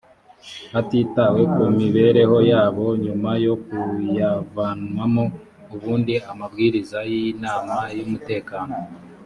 hatitawe ku mibereho yabo nyuma yo kuyavanwamo ubundi amabwiriza y inama y umutekano